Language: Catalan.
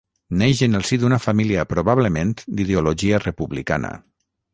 Neix en el si d'una família probablement d'ideologia republicana.